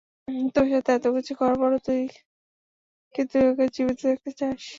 তোর সাথে এতকিছু করার পরও কি তুই ওকে জীবিত দেখতে চাস?